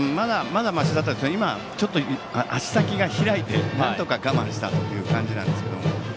まだましだったんですがちょっと足先が開いてなんとか我慢したという感じなんですけど。